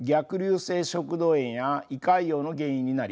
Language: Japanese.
食道炎や胃潰瘍の原因になります。